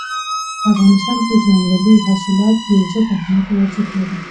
په افغانستان کې ځنګلي حاصلات ډېر زیات اهمیت او ارزښت لري.